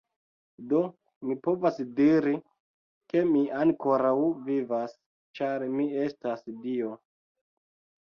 Do mi povas diri, ke mi ankoraŭ vivas, ĉar mi estas dio.